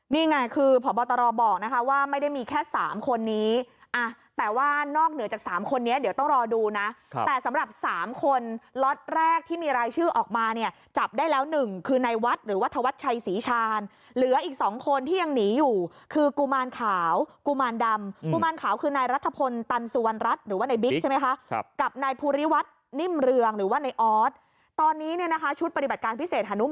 นี่ไงคือพบตรบอกนะคะว่าไม่ได้มีแค่สามคนนี้แต่ว่านอกเหนือจากสามคนนี้เดี๋ยวต้องรอดูนะแต่สำหรับสามคนล็อตแรกที่มีรายชื่อออกมาเนี่ยจับได้แล้วหนึ่งคือในวัดหรือวัฒวัดชัยศรีชาญเหลืออีกสองคนที่ยังหนีอยู่คือกุมารขาวกุมารดำกุมารขาวคือในรัฐพลตันสุวรรณรัฐหรือว่าในบิ๊กใช่ไ